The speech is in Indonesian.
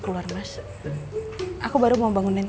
kita akan sambung melaksanakan mangkukeries